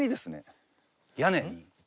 屋根に？